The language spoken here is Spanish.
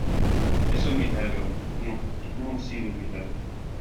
es un milagro. no, no ha sido un milagro